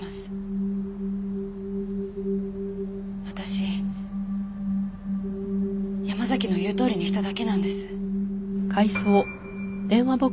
私山崎の言うとおりにしただけなんです。